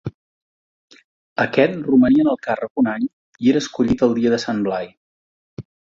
Aquest romania en el càrrec un any i era escollit el dia de Sant Blai.